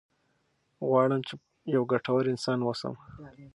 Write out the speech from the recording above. غواړم چې یو ګټور انسان واوسم.